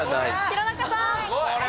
弘中さん。